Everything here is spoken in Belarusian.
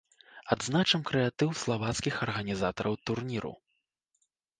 Адзначым крэатыў славацкіх арганізатараў турніру.